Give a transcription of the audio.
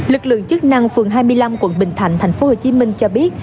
lực lượng chức năng phường hai mươi năm quận bình thạnh thành phố hồ chí minh cho biết